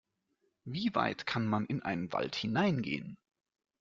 Wie weit kann man in einen Wald hineingehen?